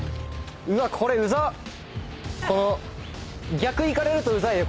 この逆いかれるとウザいね